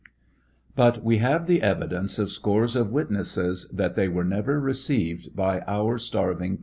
But we has'e the evidence of scores of witnesses that they were never received by our starving prisoners.